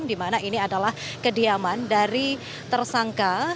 di mana ini adalah kediaman dari tersangka